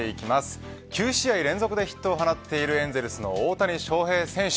９試合連続でヒットを放っているエンゼルスの大谷翔平選手。